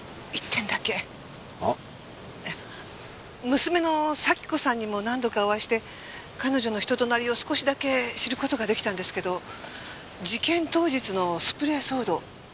娘の咲子さんにも何度かお会いして彼女の人となりを少しだけ知る事ができたんですけど事件当日のスプレー騒動